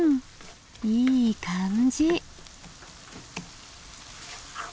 いい感じ。